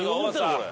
これ。